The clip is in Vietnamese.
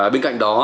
bên cạnh đó